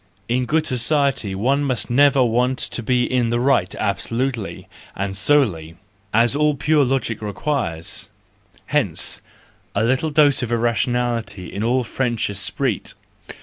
In good society one must never want to be in the right absolutely and solely, as all pure logic requires; hence, the little dose of irrationality in all French esprit